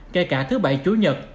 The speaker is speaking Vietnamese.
kể cả thứ bảy chủ nhật